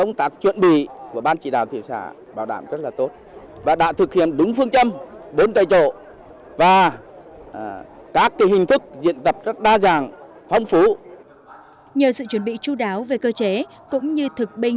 nhờ sự chuẩn bị chú đáo về cơ chế cũng như thực binh